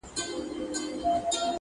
غټ سرخوږی راته جوړ کړ